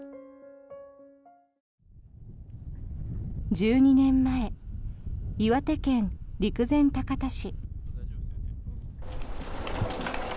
１２年前、岩手県陸前高田市。